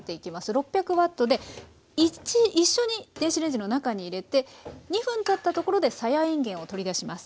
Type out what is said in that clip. ６００Ｗで一緒に電子レンジの中に入れて２分たったところでさやいんげんを取り出します。